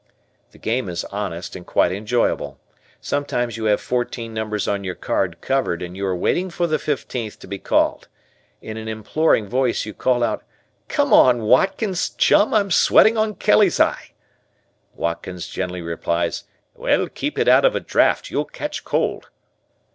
The game is honest and quite enjoyable. Sometimes you have fourteen numbers on your card covered and you are waiting for the fifteenth to be called. In an imploring voice you call out, "Come on, Watkins, chum, I'm sweating on 'Kelly's Eye.'" Watkins generally replies, "Well keep out of a draught, you'll catch cold."